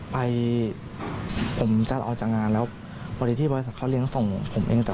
ผมขอโทษทุกคนนากับคนที่สร้างความสงสีหลัง